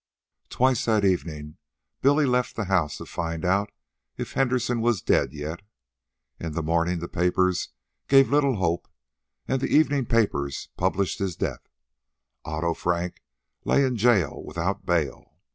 Twice that evening Billy left the house to find out if Henderson was dead yet. In the morning the papers gave little hope, and the evening papers published his death. Otto Frank lay in jail without bail.